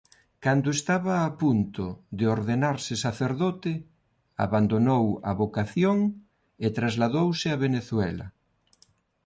Cando estaba a punto de ordenarse sacerdote abandonou a vocación e trasladouse a Venezuela.